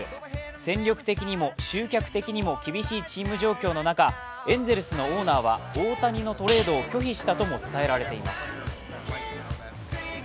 戦力的にも集客的にも厳しいチーム状況の中、エンゼルスのオーナーは大谷のトレードを拒否したとも伝えられています。